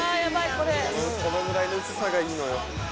このくらいの薄さがいいのよ。